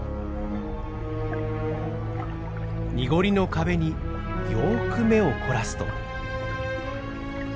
濁りの壁によく目を凝らすと。